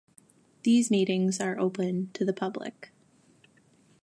These meetings are open to the public.